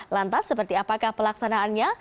lantas seperti apakah pelaksanaannya